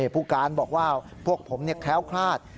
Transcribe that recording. ผู้การบอกว่าพวกผมแคล้วคลาด